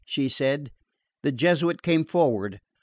she said. The Jesuit came forward.